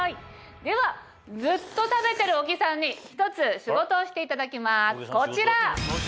ではずっと食べてる小木さんに１つ仕事をしていただきますこちら！